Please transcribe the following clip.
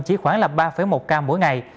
chỉ khoảng ba một ca mỗi ngày